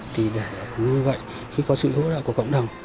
thì để như vậy khi có sự hỗ trợ của cộng đồng